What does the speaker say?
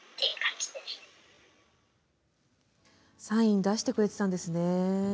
サイン出してくれていたんですね。